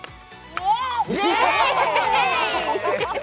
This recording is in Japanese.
イエーイ！